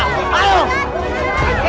kita gantung dia